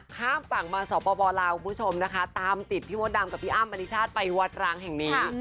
ข้ามฝั่งมาสปลาวคุณผู้ชมนะคะตามติดพี่มดดำกับพี่อ้ำอธิชาติไปวัดร้างแห่งนี้